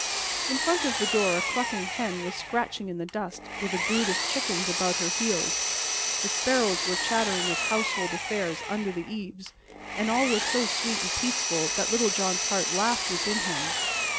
In front of the door a clucking hen was scratching in the dust with a brood of chickens about her heels, the sparrows were chattering of household affairs under the eaves, and all was so sweet and peaceful that Little John's heart laughed within him.